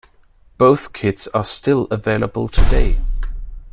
Both kits are still available today.